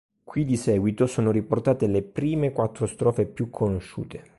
Qui di seguito sono riportate le prime quattro strofe più conosciute.